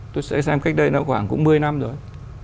tôi sẽ xem cách đây nó khoảng cũng một mươi năm rồi